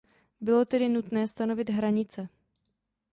Bylo tedy nutné stanovit hranice.